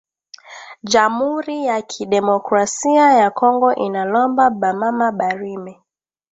Jamuri yaki democracia ya kongo inalomba ba mama ba rime